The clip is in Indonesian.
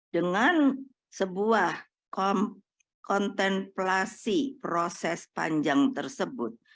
dengan sebuah kontemplasi proses panjang tersebut